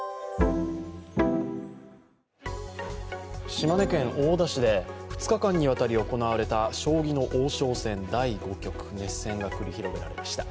島根県大田市で２日間にわたり行われた将棋の王将戦第５局、熱戦が繰り広げられました。